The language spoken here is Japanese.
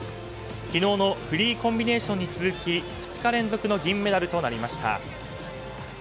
昨日のフリーコンビネーションに続き２日連続の銀メダルとなりました。